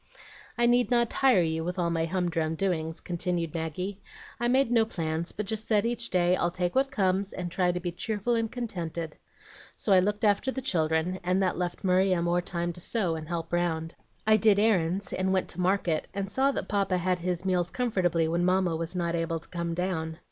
"I need not tire you with all my humdrum doings," continued Maggie. "I made no plans, but just said each day, 'I'll take what comes, and try to be cheerful and contented.' So I looked after the children, and that left Maria more time to sew and help round. I did errands, and went to market, and saw that Papa had his meals comfortably when Mamma was not able to come down.